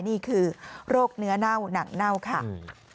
นี่คือโรคเนื้อเน่าหนังเน่าค่ะ